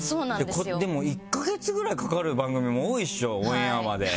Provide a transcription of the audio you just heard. でも１か月ぐらいかかる番組も多いでしょオンエアまで。